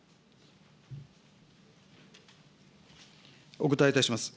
お答えいたします。